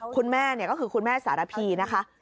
คุณแม่ก็คือคุณแม่สารพีนะคะ